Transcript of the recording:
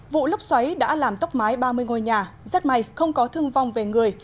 vụ lốc xoáy đã làm tốc mái ba mươi ngôi nhà rất may không có thương vong về người